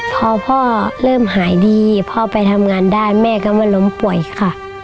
พอพ่อเริ่มหายดีพ่อไปทำงานได้แม่ก็มาล้มป่วยค่ะ